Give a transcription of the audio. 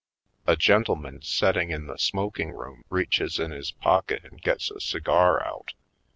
A gentleman setting in the smoking room reaches in his pocket and gets a cigar out.